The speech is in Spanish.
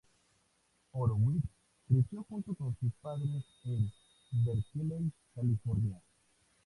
Horowitz creció junto con sus padres en Berkeley, California.